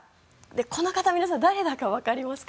この方、皆さん誰だかわかりますか？